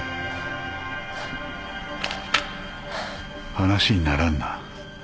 話にならんな。